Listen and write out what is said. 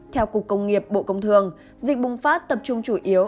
theo cục công nghiệp bộ công thương dịch bùng phát tập trung chủ yếu